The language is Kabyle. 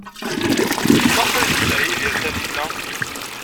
Maɣef ay yexdeɛ Yidir Taninna?